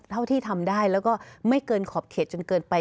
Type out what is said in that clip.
เท่าที่ทำได้แล้วก็ไม่เกินขอบเขตจนเกินไป